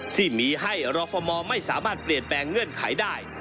ที่มีให้รฟมไม่สามารถเปลี่ยนแปลงเงื่อนไขได้